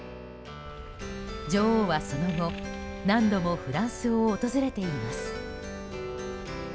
女王はその後、何度もフランスを訪れています。